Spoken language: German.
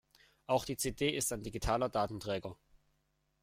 Auch die CD ist ein digitaler Datenträger.